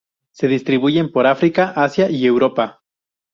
Se distribuyen por África, Asia y Europa.